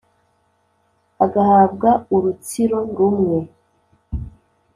agahabwa urutsiro, rumwe